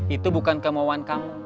itu bukan kemauan kamu